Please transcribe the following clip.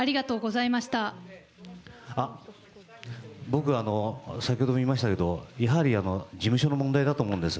僕、先ほども言いましたけど、やはり事務所の問題だと思うんです。